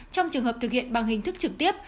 trong trường hợp thực hiện bằng hình thức trực tiếp